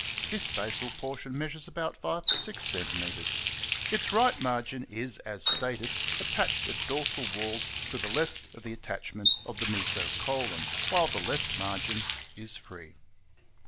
This basal portion measures about 5 6 cm. Its right margin is, as stated, attached at dorsal wall to the left of the attachment of the mesocolon, while the left margin is free.